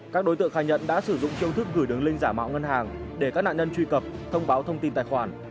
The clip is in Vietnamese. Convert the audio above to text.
các đối tượng khai nhận đã sử dụng chiêu thức gửi đường link giả mạo ngân hàng để các nạn nhân truy cập thông báo thông tin tài khoản